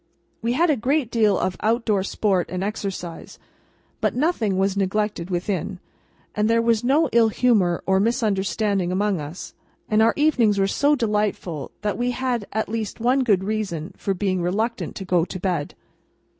We had a great deal of out door sport and exercise, but nothing was neglected within, and there was no ill humour or misunderstanding among us, and our evenings were so delightful that we had at least one good reason for being reluctant to go to bed.